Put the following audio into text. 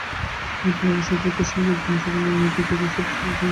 এরপর অবসরপ্রাপ্ত বিচারক শাহাবুদ্দিন চুপ্পুর নেতৃত্বে তিন সদস্যের কমিশন গঠন করা হয়।